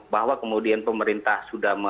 bahwa kemudian pemerintah sudah